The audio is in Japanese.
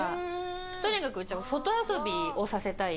とにかくうちは外遊びをさせたい。